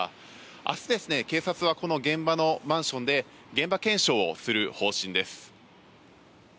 明日、警察はこの現場のマンションで現場検証をする方針です。